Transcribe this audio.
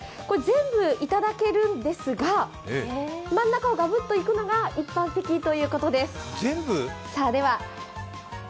これ全部頂けるんですが、真ん中をがぶっといくのが一般的ということです。